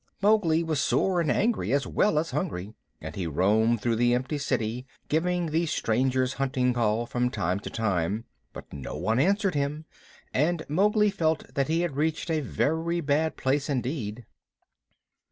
Mowgli was sore and angry as well as hungry, and he roamed through the empty city giving the Strangers' Hunting Call from time to time, but no one answered him, and Mowgli felt that he had reached a very bad place indeed.